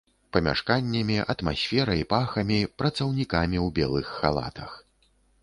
Памяшканнямі, атмасферай, пахамі, працаўнікамі ў белых халатах.